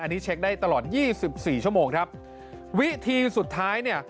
อันนี้เช็คได้ตลอดยี่สิบสี่ชั่วโมงครับวิธีสุดท้ายเนี่ย